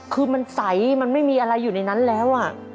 คือมันใสมันไม่มีอะไรอยู่ในนั้นแล้ว